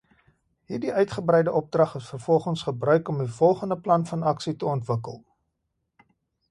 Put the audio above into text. Hierdie uitgebreide opdrag is vervolgens gebruik om die volgende plan van aksie te ontwikkel.